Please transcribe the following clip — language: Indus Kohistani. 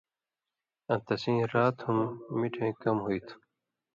آں تسیں رات ہُم مِٹُھویں کم ہُوئ تُھو۔